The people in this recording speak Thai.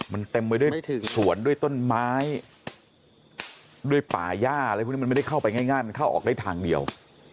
มันเต็มไปด้วยสวนด้วยต้นไม้ด้วยป่าย่าอะไรพวกนี้มันไม่ได้เข้าไปง่ายมันเข้าออกได้ทางเดียว